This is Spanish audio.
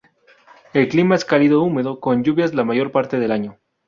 El clima es Cálido Húmedo, con lluvias la mayor parte del año.